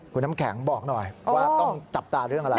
คุณน้ำแข็งบอกหน่อยว่าต้องจับตาเรื่องอะไร